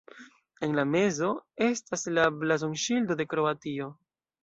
En la mezo estas la blazonŝildo de Kroatio.